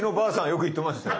よく言ってましたよ。